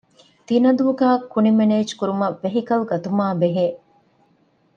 ތިނަދޫގައި ކުނި މެނޭޖްކުރުމަށް ވެހިކަލް ގަތުމާއި ބެހޭ